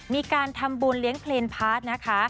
มีการทำบุญเลี้ยงเพลงพาร์ทนะคะ